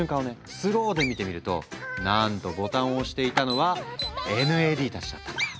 スローで見てみるとなんとボタンを押していたのはＮＡＤたちだったんだ。